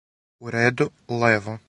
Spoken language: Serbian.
У реду, лево.